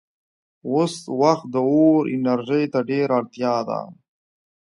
اوس وخت د اور انرژۍ ته ډېره اړتیا ده.